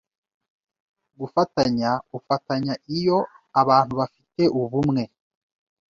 Gufatanya ufatanya Iyo abantu bafi te ubumwe